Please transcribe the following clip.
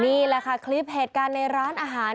นี่แหละค่ะคลิปเหตุการณ์ในร้านอาหาร